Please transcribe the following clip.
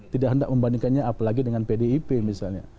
tidak hendak membandingkannya apalagi dengan pdip misalnya